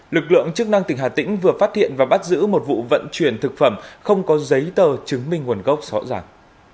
lực lượng chức năng tỉnh hà tĩnh vừa phát hiện và bắt giữ một vụ vận chuyển thực phẩm không có giấy tờ chứng minh nguồn gốc rõ ràng